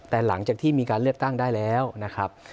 แต่หลังจากที่มีการเลือกตั้งได้แล้วนะครับ